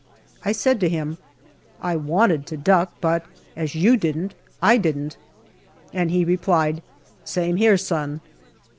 I said to him, " I wanted to duck, but as you didn't, I didn't," and he replied, " Same here, son."